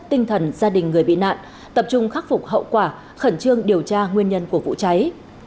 tinh thần gia đình người bị nạn tập trung khắc phục hậu quả khẩn trương điều tra nguyên nhân của vụ cháy